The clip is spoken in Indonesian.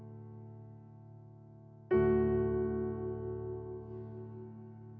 pokoknya jangan menyerah semangat terus obatnya juga harus diminum terus biar sehat